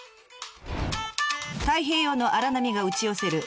太平洋の荒波が打ち寄せる